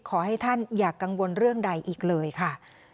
ขอให้ท่านอย่ากังวลเรื่องใดอีกเลยค่ะ